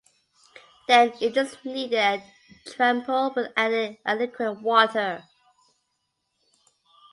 Then it is kneaded and trample with adding adequate water.